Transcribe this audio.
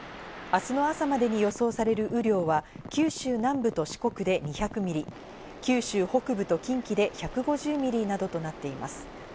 明日の朝までに予想される雨量は九州南部と四国で２００ミリ、九州北部と近畿で１５０ミリなどとなっています。